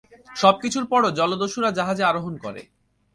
সবকিছুর পরও জলদস্যুরা জাহাজে আরোহণ করে।